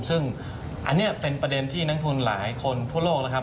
ซึ่งอันนี้เป็นประเด็นที่นักทุนหลายคนทั่วโลกนะครับ